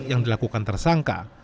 yang dilakukan tersangka